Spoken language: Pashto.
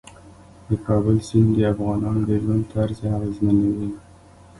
د کابل سیند د افغانانو د ژوند طرز اغېزمنوي.